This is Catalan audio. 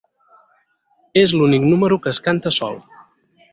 És l'únic número que es canta sol.